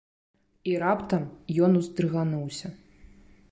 І раптам ён уздрыгануўся.